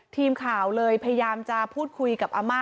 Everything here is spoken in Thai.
ทีมข่าวเลยพยายามจะพูดคุยกับอาม่า